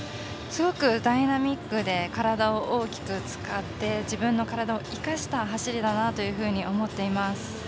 すごくダイナミックで体を大きく使って自分の体を生かした走りだなというふうに思っています。